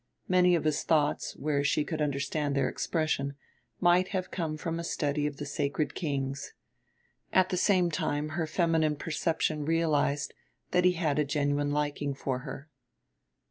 Many of his thoughts, where she could understand their expression, might have come from a study of the sacred kings. At the same time her feminine perception realized that he had a genuine liking for her.